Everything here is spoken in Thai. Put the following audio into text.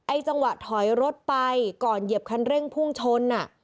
จังหวะถอยรถไปก่อนเหยียบคันเร่งพุ่งชนอ่ะ